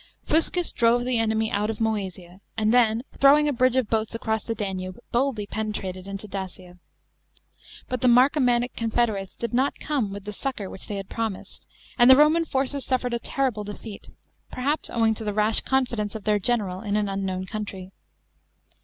Fuscus drove the enemy out of Moesia, and then, throwing a bridge of boats across the Danube, boldly penetrated into Dacia. But the Marcomannic confederates did not come with the succour which they had promised, and the Roman forces suffered a terrible defeat, perhaps owing to the rash confidence of their general in an unknown country.